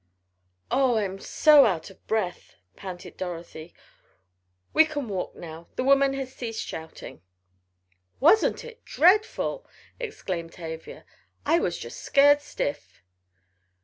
"Oh, I'm so out of breath," panted Dorothy. "We can walk now. The woman has ceased shouting." "Wasn't it dreadful!" exclaimed Tavia. "I was just scared stiff!"